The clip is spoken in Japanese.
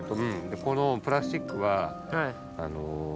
でこのプラスチックは。